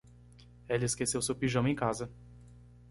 Ela esqueceu seu pijama em casa.